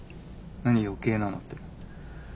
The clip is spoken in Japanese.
何余計なのって。